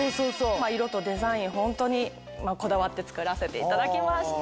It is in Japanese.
色とデザインホントにこだわって作らせていただきました。